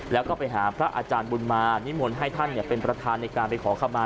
แล้วก็ไปหาพระอาจารย์บุญมานิมนต์ให้ท่านเป็นประธานในการไปขอคำมา